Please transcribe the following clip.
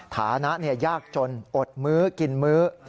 ฐานะยากจนอดมื้อกินมื้อ